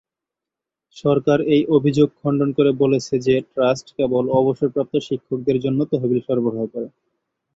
সরকার এই অভিযোগ খণ্ডন করে বলেছে যে ট্রাস্ট কেবল অবসরপ্রাপ্ত শিক্ষকদের জন্য তহবিল সরবরাহ করে।